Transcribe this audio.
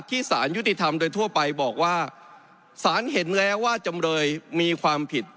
สารยุติธรรมโดยทั่วไปบอกว่าสารเห็นแล้วว่าจำเลยมีความผิด